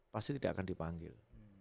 pasti tidak akan dipanggil